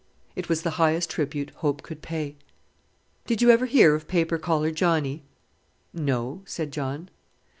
It was the highest tribute Hope could pay. "Did you ever hear of Paper collar Johnnie?" "No," said John.